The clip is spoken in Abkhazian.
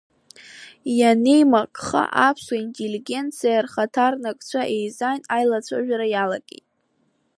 Ианеимакха аԥсуа интеллигенциа рхаҭарнакцәа еизан аилацәажәара иалагеит.